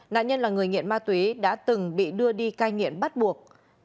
nạn nhân là người nghiện ma túy đã từng bị đưa đi cai nghiện bắt buộc